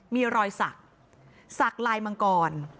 มีรอยสักสักลายมังกร